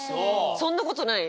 そんなことない？